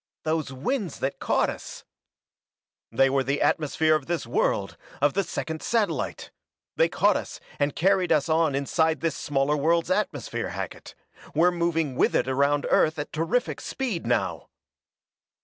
"Those winds that caught us " "They were the atmosphere of this world, of the second satellite! They caught us and carried us on inside this smaller world's atmosphere, Hackett. We're moving with it around Earth at terrific speed now!"